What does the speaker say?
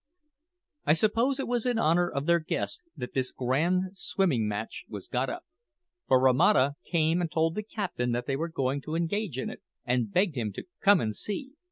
I suppose it was in honour of their guest that this grand swimming match was got up, for Romata came and told the captain that they were going to engage in it, and begged him to "come and see."